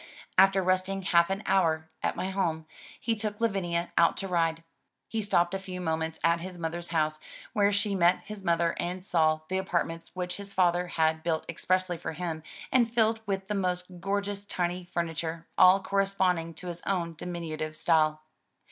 After resting half an hour at my home, he took Lavinia out to ride. 179 MY BOOK HOUSE He Stopped a few moments at his mother's house, where she met his mother and saw the apartments which his father had built expressly for him, and filled with the most gorgeous tiny furniture — all corresponding to his own diminutive size.